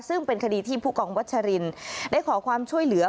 ซึ่งเป็นคดีที่ผู้กองวัชรินได้ขอความช่วยเหลือ